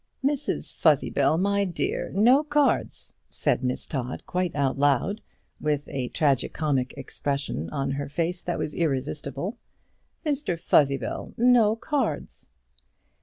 "Mrs Fuzzybell, my dear, no cards!" said Miss Todd, quite out loud, with a tragic comic expression in her face that was irresistible. "Mr Fuzzybell, no cards!"